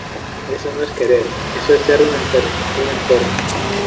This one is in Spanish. eso no es querer. eso es ser un enfermo . un enfermo .